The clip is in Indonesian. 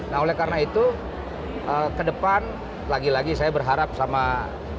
nah oleh karena itu ke depan lagi lagi saya berharap sama